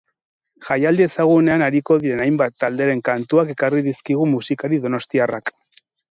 Jaialdi ezagunean ariko diren hainbat talderen kantuak ekarri dizkigu musikari donostiarrak.